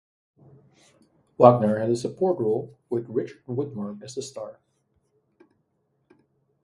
Wagner had a support role, with Richard Widmark as the star.